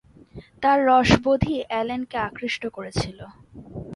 তার রসবোধই অ্যালেনকে আকৃষ্ট করেছিল।